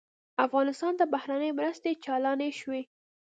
افغانستان ته بهرنۍ مرستې چالانې شوې.